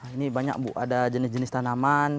ini banyak bu ada jenis jenis tanaman